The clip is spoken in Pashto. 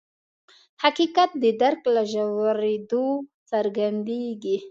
حقیقت د درک له ژورېدو څرګندېږي.